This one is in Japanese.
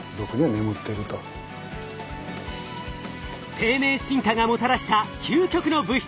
生命進化がもたらした究極の物質